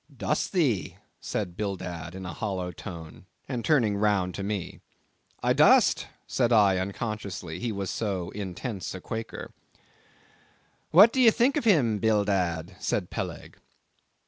"Dost thee?" said Bildad, in a hollow tone, and turning round to me. "I dost," said I unconsciously, he was so intense a Quaker. "What do ye think of him, Bildad?" said Peleg.